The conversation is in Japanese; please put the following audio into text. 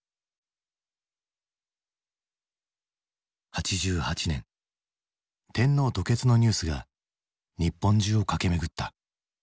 ８８年天皇吐血のニュースが日本中を駆け巡った。